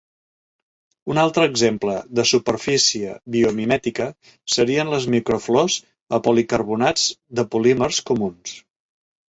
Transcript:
Un altre exemple de superfície biomimètica serien les microflors a policarbonats de polímers comuns.